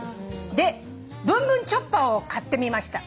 「でぶんぶんチョッパーを買ってみました」